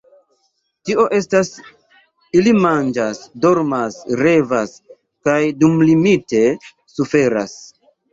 Tio estas, ili manĝas, dormas, revas… kaj dummilite suferas.